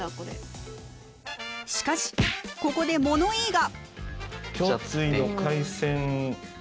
しかしここで物言いが！